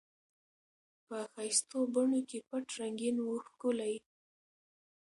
په ښایستو بڼو کي پټ رنګین وو ښکلی